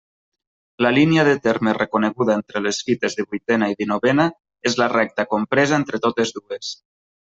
La línia de terme reconeguda entre les fites divuitena i dinovena és la recta compresa entre totes dues.